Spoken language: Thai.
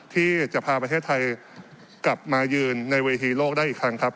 ที่จะพาประเทศไทยกลับมายืนในเวทีโลกได้อีกครั้งครับ